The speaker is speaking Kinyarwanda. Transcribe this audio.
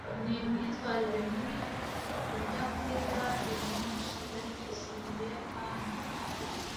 Ni imyitwarire mibi kurya muri gari ya moshi na bisi mu Buyapani.